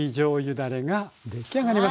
だれが出来上がりましたと。